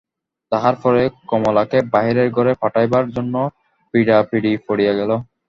তাহার পরে কমলাকে বাহিরের ঘরে পাঠাইবার জন্য পীড়াপীড়ি পড়িয়া গেল।